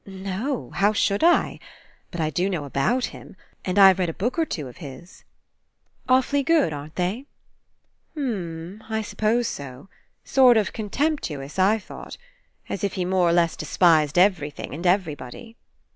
"No. How should I? But I do know about him. And I've read a book or two of his." "Awfully good, aren't they?" "U umm, I s'pose so. Sort of contemp tuous, I thought. As if he more or less despised everything and everybody."